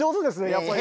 やっぱり。